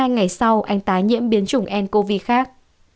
một trăm bốn mươi hai ngày sau anh tái nhiễm biến chủng ncov khác